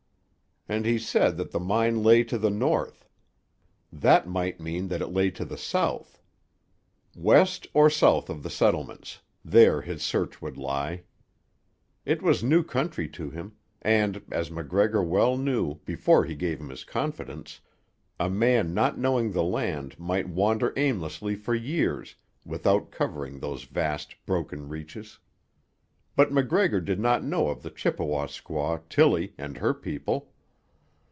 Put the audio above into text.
And he said that the mine lay to the north. That might mean that it lay to the south—west or south of the settlements, there his search would lie. It was new country to him, and, as MacGregor well knew before he gave him his confidence, a man not knowing the land might wander aimlessly for years without covering those vast, broken reaches. But MacGregor did not know of the Chippewa squaw, Tillie, and her people.